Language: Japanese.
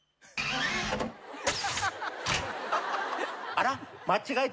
あら？